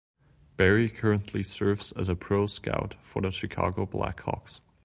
Berry currently serves as a pro scout for the Chicago Blackhawks.